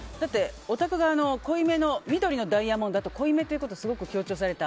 お宅が緑のダイヤモンドで濃いめということをすごく強調された。